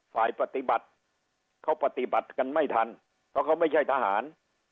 ฝ่ายปฏิบัติเขาปฏิบัติกันไม่ทันเพราะเขาไม่ใช่ทหาร